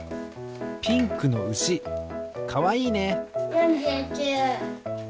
ピンクのうしかわいいね！